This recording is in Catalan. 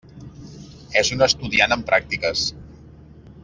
És un estudiant en pràctiques.